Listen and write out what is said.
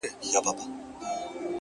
• په دې زور سو له لحده پاڅېدلای,